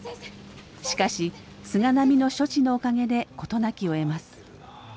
しかし菅波の処置のおかげで事なきを得ます。